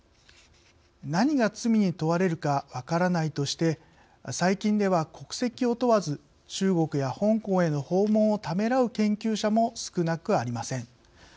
何が罪に問われるか分からないとして、最近では国籍を問わず中国や香港への訪問をためらう研究者も少なくありません。